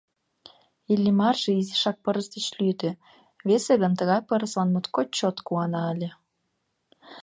Иллимарже изишак пырыс деч лӱдӧ, весе гын тыгай пырыслан моткоч чот куана ыле.